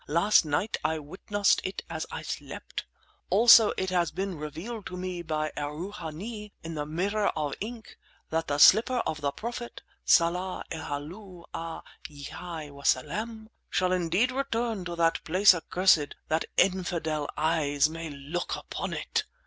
Last night I witnessed it as I slept. Also it has been revealed to me by Erroohanee, in the mirror of ink, that the slipper of the Prophet, Salla 'llahu 'ale yhi wasellem! Shall indeed return to that place accursed, that infidel eyes may look upon it!